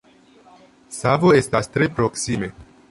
Savo estas tre proksime.